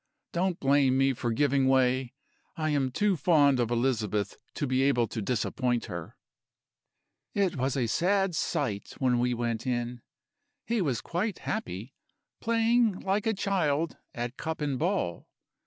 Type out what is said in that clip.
Don't blame me for giving way; I am too fond of Elizabeth to be able to disappoint her. "It was a sad sight when we went in. He was quite happy, playing like a child, at cup and ball.